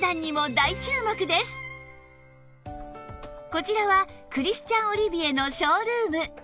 こちらはクリスチャン・オリビエのショールーム